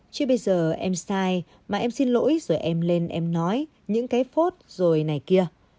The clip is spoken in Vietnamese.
chứ bây giờ em sai mà em xin lỗi rồi em lên em nói những cái phốt rồi này kia